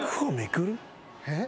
・えっ？